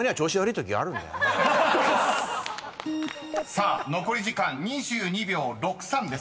［さあ残り時間２２秒６３です］